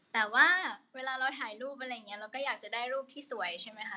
แต่ว่าเวลาเราถ่ายรูปอะไรอย่างนี้เราก็อยากจะได้รูปที่สวยใช่ไหมคะ